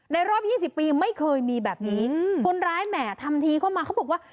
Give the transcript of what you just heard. รอบ๒๐ปีไม่เคยมีแบบนี้คนร้ายแหม่ทำทีเข้ามาเขาบอกว่า